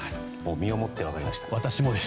身をもって分かりました。